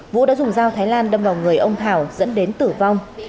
vũ đã dùng dao thái lan đâm vào người ông thảo dẫn đến tử vong